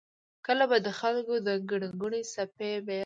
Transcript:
کله به د خلکو د ګڼې ګوڼې څپې بیولم.